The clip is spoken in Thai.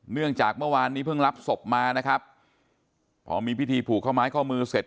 เนื่องจากเมื่อวานนี้เพิ่งรับศพมานะครับพอมีพิธีผูกข้อไม้ข้อมือเสร็จ